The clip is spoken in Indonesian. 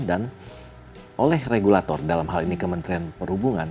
dan oleh regulator dalam hal ini kementerian perhubungan